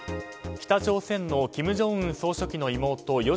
北朝鮮の金正恩総書記の妹与